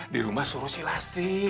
di rumah suruh si lastri